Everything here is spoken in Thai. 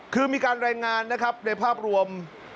คือมีการรายงานนะครับในภาพรวม